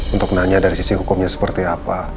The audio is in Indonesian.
untuk nanya dari sisi hukumnya seperti apa